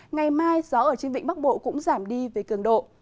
ngày mai gió ở trên vịnh bắc bộ cũng giảm đi về cường độ